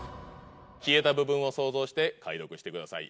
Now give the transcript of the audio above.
消えた部分を想像して解読してください。